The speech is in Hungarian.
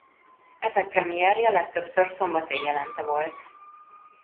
Ezek premierje legtöbbször szombat éjjelente volt.